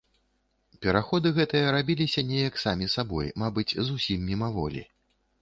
Пераходы гэтыя рабіліся неяк самі сабой, мабыць, зусім мімаволі.